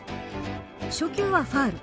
初球はファウル。